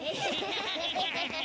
ハハハハ。